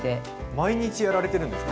毎日やられてるんですか？